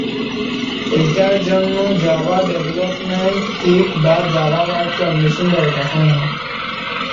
এটার জন্য Java development kit বা জাভা ভার্চুয়াল মেশিন দরকার হয়না।